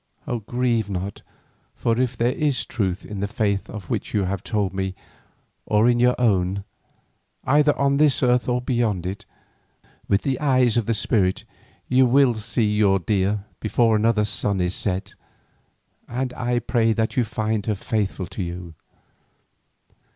Grieve not, for if there is truth in the faith of which you have told me or in our own, either on this earth or beyond it, with the eyes of the spirit you will see your dear before another sun is set, and I pray that you may find her faithful to you.